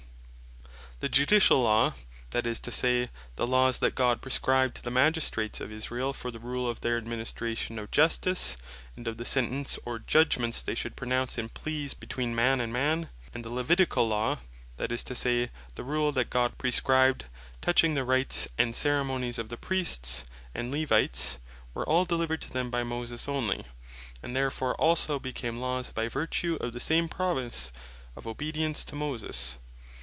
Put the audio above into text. Of The Judicial, And Leviticall Law The Judiciall Law, that is to say, the Laws that God prescribed to the Magistrates of Israel, for the rule of their administration of Justice, and of the Sentences, or Judgments they should pronounce, in Pleas between man and man; and the Leviticall Law, that is to say, the rule that God prescribed touching the Rites and Ceremonies of the Priests and Levites, were all delivered to them by Moses onely; and therefore also became Lawes, by vertue of the same promise of obedience to Moses.